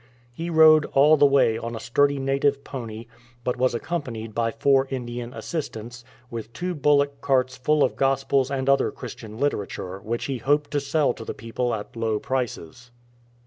He rode all the way on a sturdy native pony, but was accompanied by four Indian assistants, with two bullock carts full of Gospels and other Christian literature which he hoped to sell to the people at low prices.